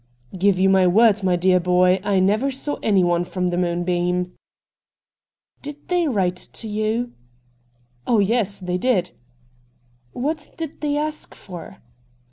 ' Give you my word, dear boy, I never saw anyone from the " Moonbeam." '' Did they write to you ?'* Oh yes, they did.' ' What did they ask for